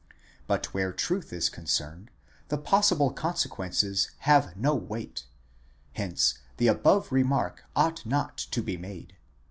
But where truth is concerned, the possible consequences have no weight ; hence the above remark ought not to be made.